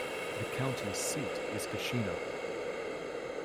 Its county seat is Keshena.